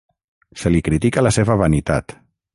Se li critica la seva vanitat.